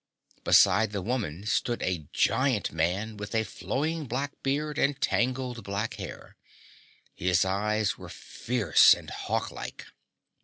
Beside the woman stood a giant man with a flowing black beard and tangled black hair. His eyes were fierce and hawklike.